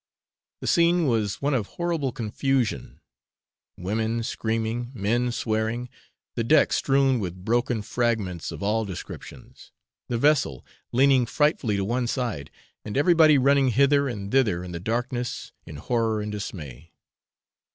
The scene was one of horrible confusion; women screaming, men swearing, the deck strewn with broken fragments of all descriptions, the vessel leaning frightfully to one side, and everybody running hither and thither in the darkness in horror and dismay.